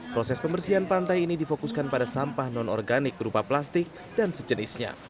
proses pembersihan pantai ini difokuskan pada sampah non organik berupa plastik dan sejenisnya